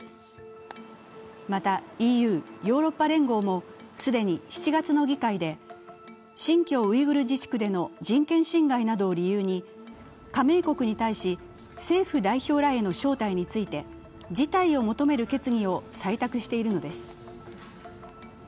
また、ＥＵ＝ヨーロッパ連合も既に７月の議会で新疆ウイグル自治区での人権侵害などを理由に加盟国に対し政府代表らへの招待について辞退を求める決議を採択しているのです。